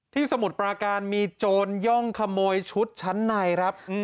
สมุทรปราการมีโจรย่องขโมยชุดชั้นในครับ